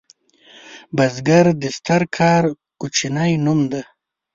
بزګر د ستر کار کوچنی نوم دی